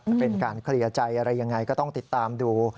จะเป็นการเคลียร์ใจอะไรยังไงก็ต้องติดตามดู